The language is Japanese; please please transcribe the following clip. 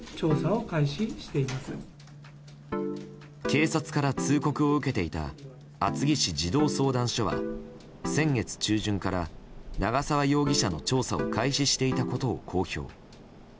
警察から通告を受けていた厚木市児童相談所は先月中旬から長沢容疑者の調査を開始していたことを公表。